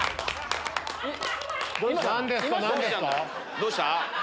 どうした？